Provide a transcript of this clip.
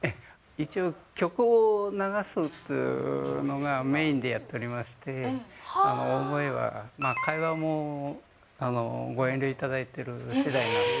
一応、曲を流すというのがメインでやっておりまして、大声は、まあ会話もご遠慮いただいてるしだいなんです。